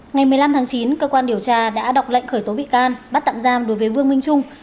ngày một mươi năm tháng chín cơ quan điều tra đã đọc lệnh khởi tố bị can bắt tạm giam đối với vương minh trung